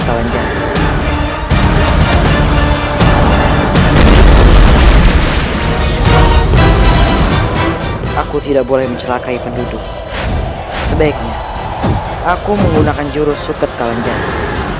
kalenjaga aku tidak boleh mencelakai penduduk sebaiknya aku menggunakan jurus suket kalenjaga